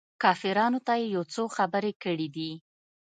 کافرانو ته يې يو څو خبرې کړي دي.